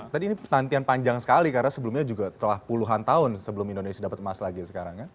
tadi ini penantian panjang sekali karena sebelumnya juga telah puluhan tahun sebelum indonesia dapat emas lagi sekarang ya